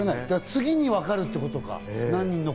次に分かるってことか。